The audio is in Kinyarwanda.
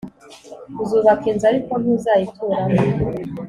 Uzubaka inzu ariko ntuzayituramo.